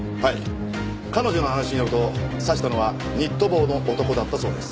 彼女の話によると刺したのはニット帽の男だったそうです。